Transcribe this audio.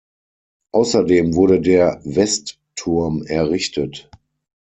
Außerdem wurde der Westturm errichtet.